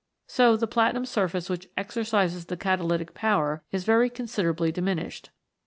So the platinum surface which exercises the catalytic power is very considerably diminished.